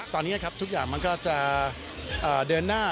ตอนนี้ครับทุกอย่างมันก็จะเดินหน้า